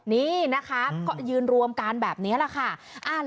นี่นะคะก็ยืนรวมกันแบบนี้แหละค่ะ